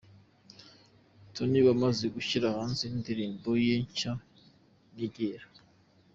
Tonny wamaze gushyira hanze indirimbo ye nshya"Nyegera".